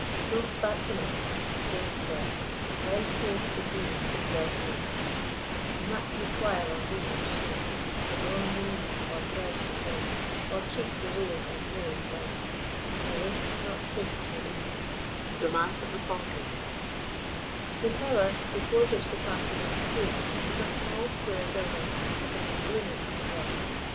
So spak the knicht; the geaunt sed, Lend forth with the the sely maid, And mak me quile of the and sche; For glaunsing ee, or brow so brent, Or cheek with rose and lilye blent, Me lists not ficht with the. ROMANCE OF THE FALCON. The tower, before which the party now stood, was a small square building, of the most gloomy aspect.